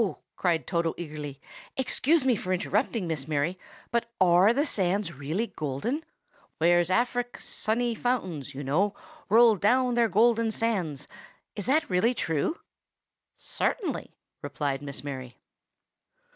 cried Toto eagerly, "excuse me for interrupting, Miss Mary; but are the sands really golden? 'Where Afric's sunny fountains,' you know, 'roll down their golden sands,'—is that really true?" "Certainly," replied Miss Mary.